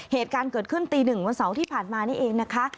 เหตุการณ์เกิดขึ้นตีหนึ่งวันเสาร์ที่ผ่านมานี่เองนะคะ